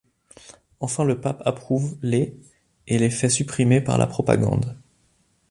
Enfin le pape approuve les et les fait imprimer par la propagande.